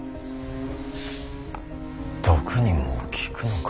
毒にも効くのか。